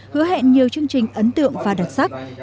hứa hẹn nhiều chương trình ấn tượng và đặc sắc